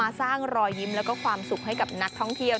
สร้างรอยยิ้มแล้วก็ความสุขให้กับนักท่องเที่ยว